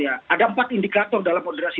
ada empat indikator dalam moderasi